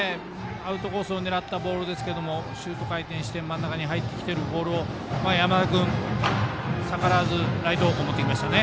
アウトコースを狙ったボールですけどシュート回転して真ん中に入ってきているボールを山田君、逆らわずライト方向に持っていきましたね。